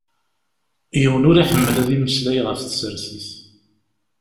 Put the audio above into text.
Yiwen ur iḥemmel ad imeslay ɣef tsertit.